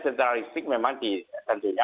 sentralistik memang tentunya